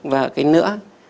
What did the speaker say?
và cái nữa